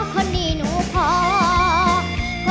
คนนี้หนูขอ